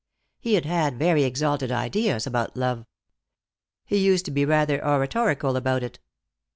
He had had very exalted ideas about love. He used to be rather oratorical about it.